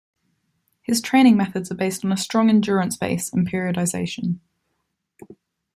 His training methods are based on a strong endurance base and periodisation.